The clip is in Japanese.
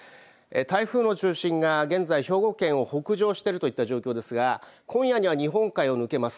台風の中心が現在、兵庫県を北上しているといった状況ですが、今夜には日本海を抜けます。